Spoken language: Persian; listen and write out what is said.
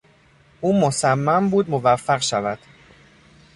او مصمم بود موفق شود.